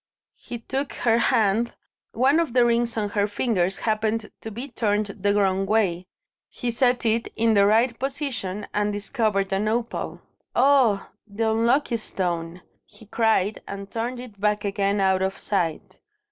He took her hand. One of the rings on her fingers happened to be turned the wrong way. He set it in the right position, and discovered an opal. "Ah! the unlucky stone!" he cried, and turned it back again out of sight.